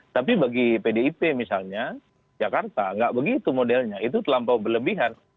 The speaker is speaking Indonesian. tapi bagi pdip misalnya jakarta nggak begitu modelnya itu terlampau berlebihan